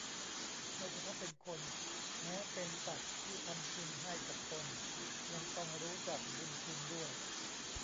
ไม่เฉพาะเป็นคนแม้เป็นสัตว์ที่ทำคุณให้กับตนยังต้องรู้จักบุญคุณด้วย